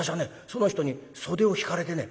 その人に袖を引かれてね